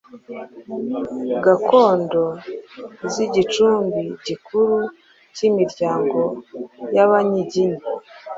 Gakondo z’ igicumbi gikuru cy’imiryango y’Abanyiginya